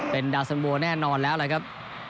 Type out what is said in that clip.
เป็นดาวสันโวแน่นอนแล้วล่ะครับ